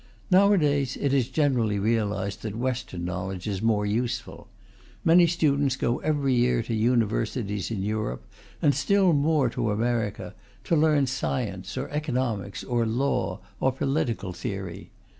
Nowadays it is generally realized that Western knowledge is more useful. Many students go every year to universities in Europe, and still more to America, to learn science or economics or law or political theory.